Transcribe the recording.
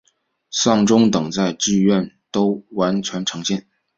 丧钟等在剧中都完整呈现。